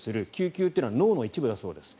嗅球というのは脳の一部だそうです。